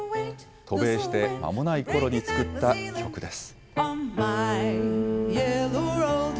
渡米してまもないころに作った曲です。